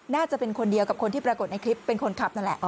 น่าจะเป็นคนเดียวกับคนที่ปรากฏในคลิปเป็นคนขับนั่นแหละ